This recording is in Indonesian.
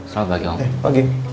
selamat pagi om